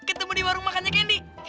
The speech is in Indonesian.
ketemu di warung makannya ken di